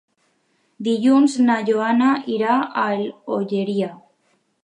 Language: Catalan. Dilluns na Joana irà a l'Olleria.